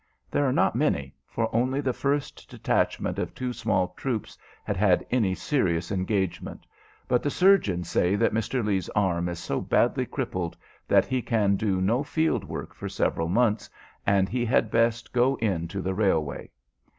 There are not many, for only the first detachment of two small troops had had any serious engagement; but the surgeons say that Mr. Lee's arm is so badly crippled that he can do no field work for several months, and he had best go in to the railway.